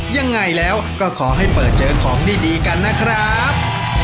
ยังไงแล้วก็ขอให้เปิดเจอของดีกันนะครับ